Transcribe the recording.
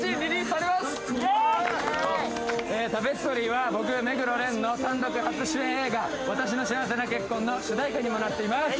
ありがとうございます「タペストリー」は僕目黒蓮の単独初主演映画「わたしの幸せな結婚」の主題歌にもなっています